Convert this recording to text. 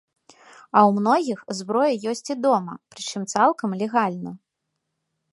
А ў многіх зброя ёсць і дома, прычым цалкам легальна.